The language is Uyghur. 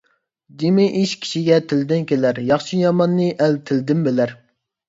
جىمى ئىش كىشىگە تىلىدىن كېلەر، ياخشى - ياماننى ئەل تىلىدىن بىلەر.